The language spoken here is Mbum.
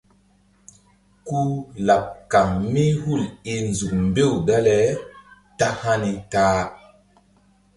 Kú laɓ kaŋ mí hul i nzuk mbew dale ta hani ta-a.